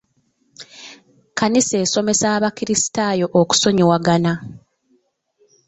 Kkanisa esomesa abakrisitaayo okusonyiwagana.